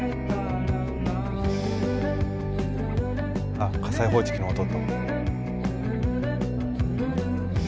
あっ火災報知器の音と。